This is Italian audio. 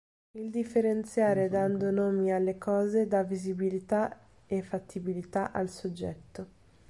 Il differenziare dando nomi alle cose dà visibilità e fattibilità al soggetto.